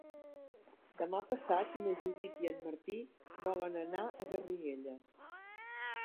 Demà passat na Judit i en Martí volen anar a Garriguella.